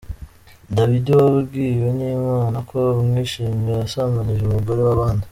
Dawidi wabwiwe n’Imana ko imwishimira yasambanyije umugore w’abandi.